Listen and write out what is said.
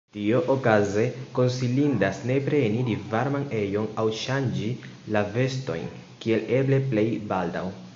Tiuokaze konsilindas nepre eniri varman ejon aŭ ŝanĝi la vestojn kiel eble plej baldaŭ.